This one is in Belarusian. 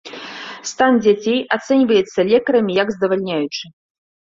Стан дзяцей ацэньваецца лекарамі як здавальняючы.